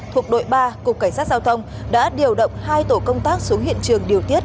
thuộc đội ba cục cảnh sát giao thông đã điều động hai tổ công tác xuống hiện trường điều tiết